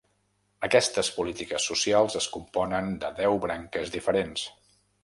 Aquestes polítiques socials es componen de deu branques diferents.